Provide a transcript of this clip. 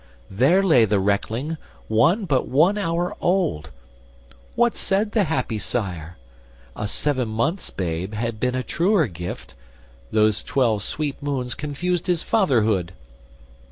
there lay the reckling, one But one hour old! What said the happy sire?" A seven months' babe had been a truer gift. Those twelve sweet moons confused his fatherhood."